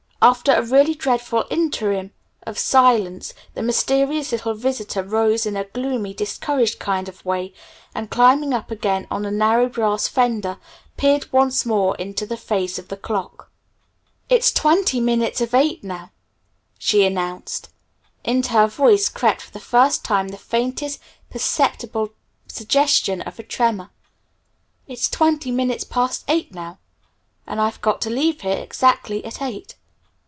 After a really dreadful interim of silence, the mysterious little visitor rose in a gloomy, discouraged kind of way, and climbing up again on the narrow brass fender, peered once more into the face of the clock. "It's twenty minutes of eight, now," she announced. Into her voice crept for the first time the faintest perceptible suggestion of a tremor. "It's twenty minutes of eight now and I've got to leave here exactly at eight.